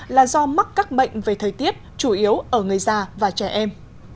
là do mắc các bệnh về thời tiết chủ yếu ở người già và trẻ em